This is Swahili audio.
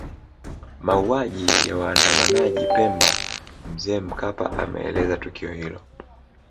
Mauaji ya waandamanaji Pemba Mzee Mkapa ameeleza tukio hilo